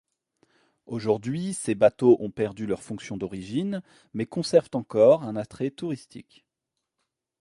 Aujourd'hui, ces bateaux ont perdu leur fonction d'origine, mais conservent encore un attrait touristique.